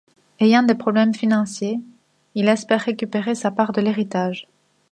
Ayant des problèmes financiers, il espère récupérer sa part de l'héritage.